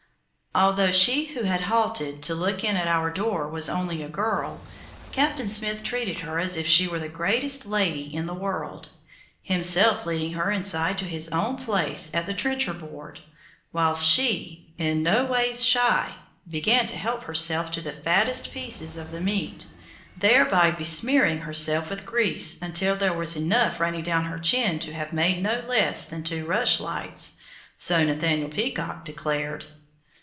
Although she who had halted to look in at our door was only a girl, Captain Smith treated her as if she were the greatest lady in the world, himself leading her inside to his own place at the trencher board, while she, in noways shy, began to help herself to the fattest pieces of meat, thereby besmearing herself with grease until there was enough running down her chin to have made no less than two rushlights, so Nathaniel Peacock declared.